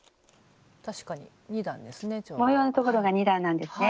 模様のところが２段なんですね。